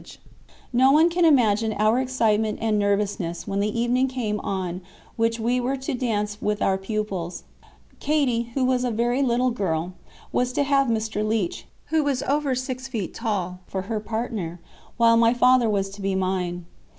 [Picture: Mr. John Leech] No one can imagine our excitement and nervousness when the evening came on which we were to dance with our pupils. Katie, who was a very little girl was to have Mr. Leech, who was over six feet tall, for her partner, while my father was to be mine.